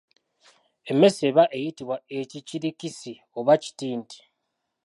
Emmese eba eyitibwa ekikirikisi oba kitinti.